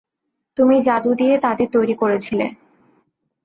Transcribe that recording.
তুমি জাদু দিয়ে তাদের তৈরি করেছিলে।